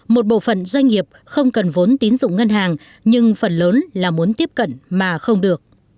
một bộ phận doanh nghiệp không cần vốn tín dụng ngân hàng nhưng phần lớn là muốn tiếp cận mà không được